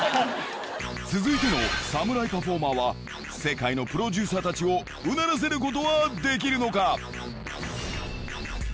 続いての侍パフォーマーは世界のプロデューサーたちをうならせることはできるのか